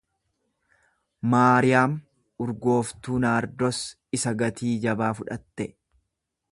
Maariyaam urgooftuu naardos isa gatii jabaa fudhatte.